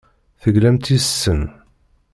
Teglamt yes-sen.